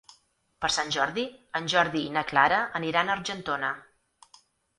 Per Sant Jordi en Jordi i na Clara aniran a Argentona.